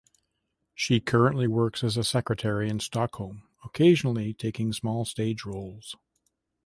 She currently works as a secretary in Stockholm, occasionally taking small stage roles.